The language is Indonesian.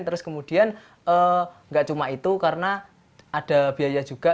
terus kemudian nggak cuma itu karena ada biaya juga